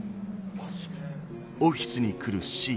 マジで？